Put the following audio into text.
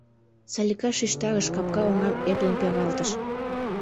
— Салика шижтарыш, капка оҥам эплын пералтыш.